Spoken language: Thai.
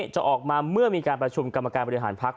จะออกมาเมื่อมีการประชุมกรรมการบริหารพักษ